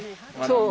そう。